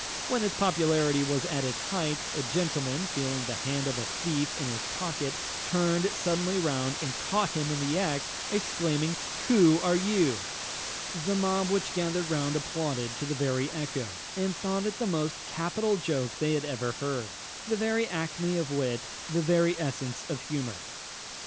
When its popularity was at its height, a gentleman, feeling the hand of a thief in his pocket, turned suddenly round and caught him in the act, exclaiming, "Who are you?" The mob which gathered round applauded to the very echo, and thought it the most capital joke they had ever heard, the very acmé of wit, the very essence of humour.